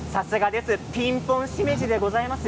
ピンポンシメジでございます。